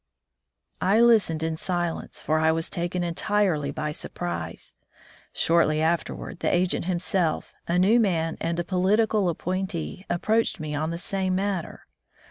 I listened in silence, for I was taken entirely by surprise. Shortly afterward, the agent himself, a new man and a political appointee, approached me on the same matter.